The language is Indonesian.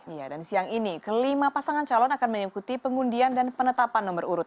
iya dan siang ini kelima pasangan calon akan mengikuti pengundian dan penetapan nomor urut